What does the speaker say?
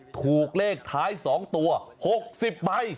ถูกเลขท้าย๒ตัว๖๐ใบ